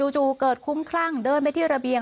เกิดคุ้มคลั่งเดินไปที่ระเบียง